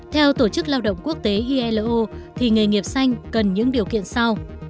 theo tổ chức lao động quốc tế ilo thì nghề nghiệp xanh cần những điều kiện sau